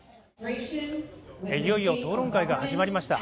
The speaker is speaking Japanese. いよいよ討論会が始まりました。